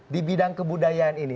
di bidang kebudayaan ini